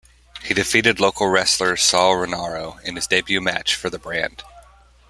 He defeated local wrestler Sal Rinauro in his debut match for the brand.